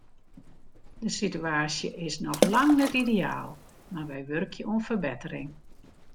De situaasje is noch lang net ideaal, mar wy wurkje oan ferbettering.